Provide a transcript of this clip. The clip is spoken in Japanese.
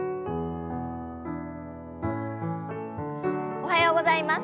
おはようございます。